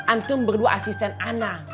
anton berdua asisten ana